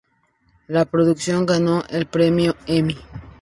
La producción ganó el Premio Emmy.